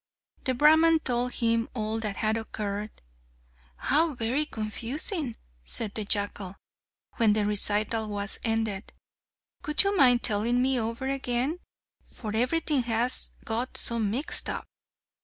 The Brahman told him all that had occurred. "How very confusing!" said the jackal, when the recital was ended; "would you mind telling me over again, for everything has got so mixed up?"